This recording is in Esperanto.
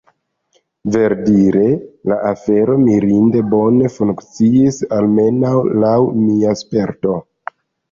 Verdire la afero mirinde bone funkciis, almenaŭ laŭ mia sperto.